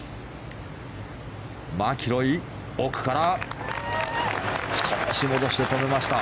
マキロイ奥から少し戻して止めました。